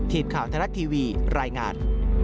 ทีมข่าวไทยรัฐทีวีรายงาน